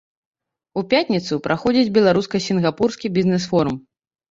У пятніцу праходзіць беларуска-сінгапурскі бізнэс-форум.